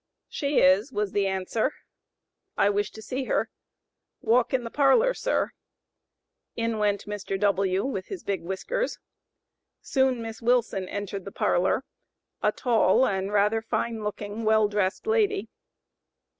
"She is," was the answer. "I wish to see her." "Walk in the parlor, sir." In went Mr. W., with his big whiskers. Soon Miss Wilson entered the parlor, a tall, and rather fine looking well dressed lady.